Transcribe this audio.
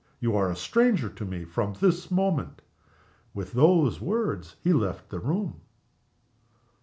You are a stranger to me from this moment." With those words he left the room.